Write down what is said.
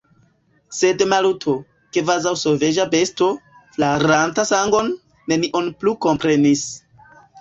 Sed Maluto, kvazaŭ sovaĝa besto, flaranta sangon, nenion plu komprenis.